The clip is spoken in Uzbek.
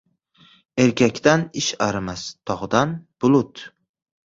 • Erkakdan ish arimas, tog‘dan ― bulut.